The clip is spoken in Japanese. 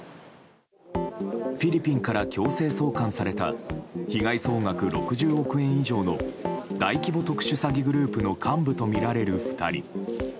フィリピンから強制送還された被害総額６０億円以上の大規模特殊詐欺グループの幹部とみられる２人。